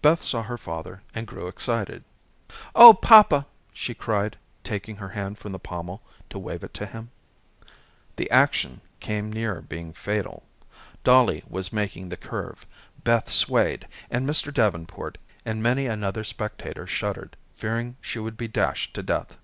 Beth saw her father and grew excited. "Oh, papa," she cried, taking her hand from the pommel to wave it to him. The action came near being fatal. Dollie was making the curve. Beth swayed, and Mr. Davenport and many another spectator shuddered, fearing she would be dashed to death.